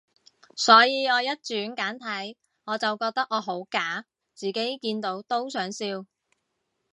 所以我一轉簡體，我就覺得我好假，自己見到都想笑